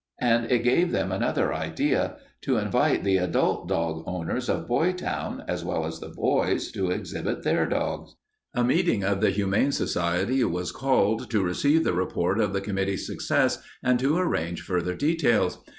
And it gave them another idea to invite the adult dog owners of Boytown, as well as the boys, to exhibit their dogs. A meeting of the Humane Society was called to receive the report of the committee's success and to arrange further details.